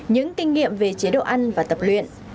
những kinh nghiệm về chế độ ăn và tập luyện